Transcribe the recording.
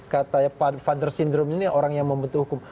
kata ya father syndrome ini orang yang membentuk hukum